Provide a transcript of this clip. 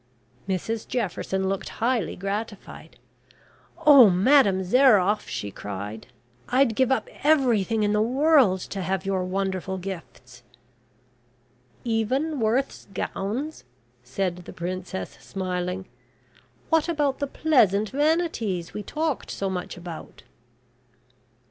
Mrs Jefferson looked highly gratified. "Oh, Madame Zairoff," she cried, "I'd give up everything in the world to have your wonderful gifts." "Even Worth's gowns?" said the princess, smiling. "What about the pleasant vanities we talked so much about?"